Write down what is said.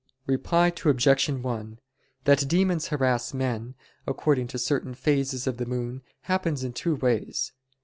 Reply Obj. 1: That demons harass men, according to certain phases of the moon, happens in two ways.